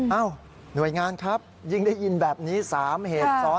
หน่วยงานครับยิ่งได้ยินแบบนี้๓เหตุซ้อน